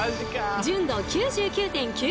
純度９９．９９％！